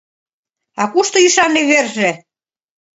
А кушто ӱшанле верже?